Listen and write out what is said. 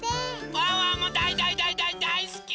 ワンワンもだいだいだいだいだいすき！